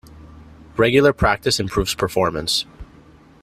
Regular practice improves performance.